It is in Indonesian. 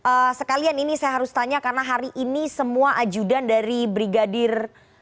oke sekalian ini saya harus tanya karena hari ini semua ajudan dari brigadir